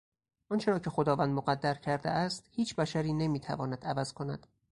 آنچه را که خداوند مقدر کرده است هیچ بشری نمیتواند عوض کند.